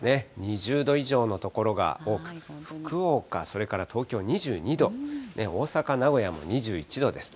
２０度以上の所が多く、福岡、それから東京２２度、大阪、名古屋も２１度です。